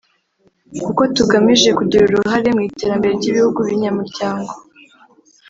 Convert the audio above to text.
kuko tugamije kugira uruhare mu iterambere ry’ibihugu binyamuryango